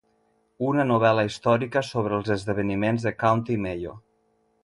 Una novel·la històrica sobre els esdeveniments de County Mayo.